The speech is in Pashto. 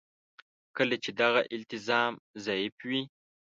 کله چې دغه التزام ضعیف وي.